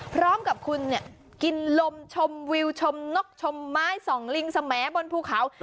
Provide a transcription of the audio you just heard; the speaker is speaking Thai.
พร้อมกับคุณเนี่ยกินลมชมวิวชมนกชมไม้ส่องลิงสมบนภูเขา